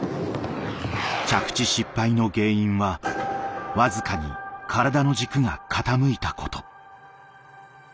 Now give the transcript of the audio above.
着地失敗の原因は僅かに体の軸が傾いたこと。